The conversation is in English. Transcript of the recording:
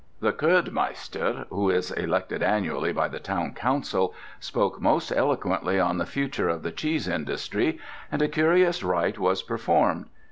The Kurdmeister, who is elected annually by the town council, spoke most eloquently on the future of the cheese industry, and a curious rite was performed.